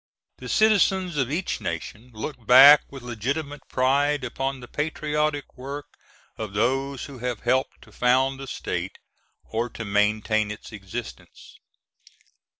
The citizens of each nation look back with legitimate pride upon the patriotic work of those who have helped to found the state, or to maintain its existence.